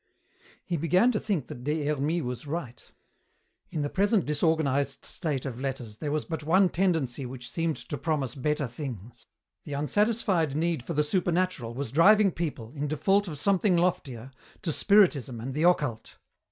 He began to think that Des Hermies was right. In the present disorganized state of letters there was but one tendency which seemed to promise better things. The unsatisfied need for the supernatural was driving people, in default of something loftier, to spiritism and the occult.